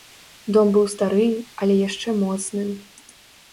Дом быў стары, але яшчэ моцны.